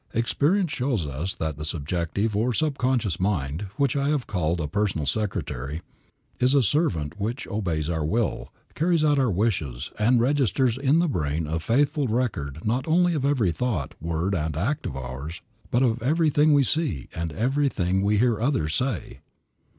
Experience shows us that the subjective or subconscious mind, which I have called a "personal secretary," is a servant which obeys our will, carries out our wishes, and registers in the brain a faithful record not only of every thought, word and act of ours, but of everything we see, and everything we hear others say.